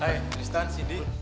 hai tristan sidi